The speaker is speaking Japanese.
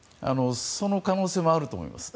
その可能性もあると思います。